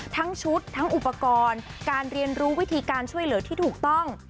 ทั้งชุดทั้งอุปกรณ์การเรียนรู้วิธีการช่วยเหลือที่ถูกต้อง